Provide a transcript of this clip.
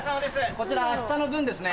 こちら明日の分ですね。